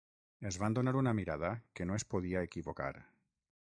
Es van donar una mirada que no es podia equivocar